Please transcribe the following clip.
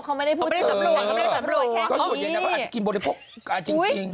เขาไม่ได้พูดจริงเขาอาจจะกินบริโภคจริงเขาไม่ได้สำรวจแค่นี้